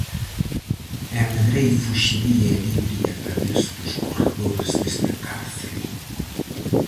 E medrei fuxidía e libre a través dos corredores deste cárcere.